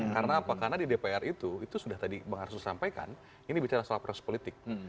karena apa karena di dpr itu sudah tadi bang arso sampaikan ini bicara soal perasaan politik